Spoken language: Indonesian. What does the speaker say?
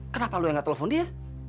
kenapa lu yang gak telpon dia